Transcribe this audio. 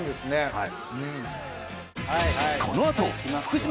はい。